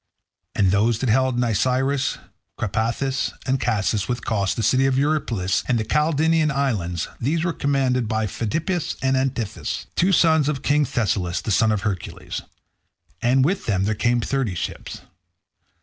And those that held Nisyrus, Crapathus, and Casus, with Cos, the city of Eurypylus, and the Calydnian islands, these were commanded by Pheidippus and Antiphus, two sons of King Thessalus the son of Hercules. And with them there came thirty ships.